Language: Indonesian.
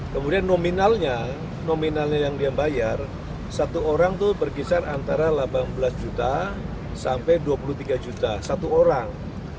kemudian nominalnya yang dia bayar satu orang itu berkisar antara delapan belas juta sampai dua puluh tiga juta satu orang